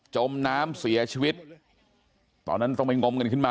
จมน้ำเสียชีวิตตอนนั้นต้องไปงมกันขึ้นมา